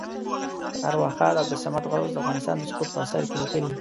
ارواښاد عبدالصمد غوث د افغانستان د سقوط په اثر کې لیکلي.